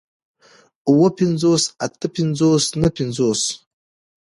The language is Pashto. اووه پنځوس اتۀ پنځوس نهه پنځوس